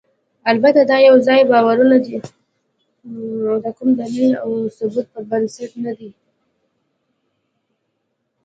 البته دا یواځې باورونه دي، د کوم دلیل او ثبوت پر بنسټ نه دي.